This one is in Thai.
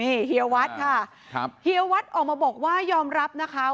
ออกมาพูดว่ายอมรับว่าคู่พี่เทวครับนะครับ